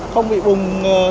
không bị bùng